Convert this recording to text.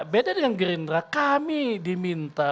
beda dengan gerindra kami diminta